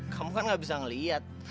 kamu kan gak bisa ngeliat